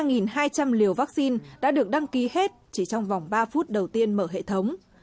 ba hai trăm linh liều vaccine đã được đăng ký hết chỉ trong vòng ba phút đầu tiên mở hệ thống